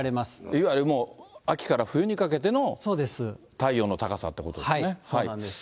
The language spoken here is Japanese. いわゆるもう、秋から冬にかけての太陽の高さっていうことでそうなんです。